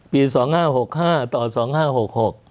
สองห้าหกห้าต่อสองห้าหกหก